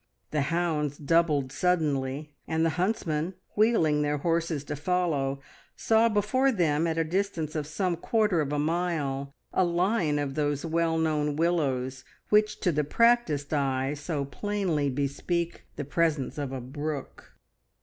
The hounds doubled suddenly, and the huntsmen, wheeling their horses to follow, saw before them at a distance of some quarter of a mile a line of those well known willows which to the practised eye so plainly bespeak the presence of a brook.